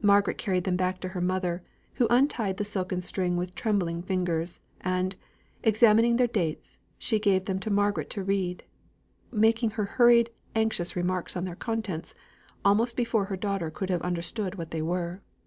Margaret carried them back to her mother, who untied the silken string with trembling fingers, and, examining their dates, she gave them to Margaret to read, making her hurried, anxious remarks on their contents, almost before her daughter could have understood what they were.